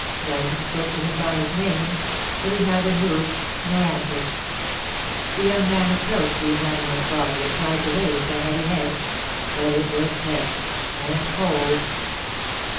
Dyson spoke to him by his name, but he neither moved nor answered. The young man approached the inanimate body and tried to raise the heavy head, but it was tense and cold.